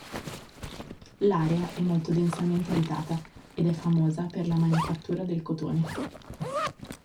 L'area è molto densamente abitata ed è famosa per la manifattura del cotone.